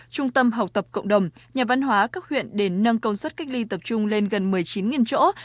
trung tâm học tập cộng đồng nhà văn hóa các huyện để nâng công suất cách ly tập trung lên gần một mươi chín chỗ